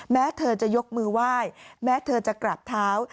แม้เธอจะยกมือไหว้แม้เธอจะกราบเท้า